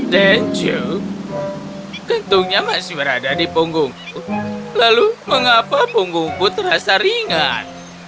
denjo kentungnya masih berada di punggungku lalu mengapa punggungku terasa ringan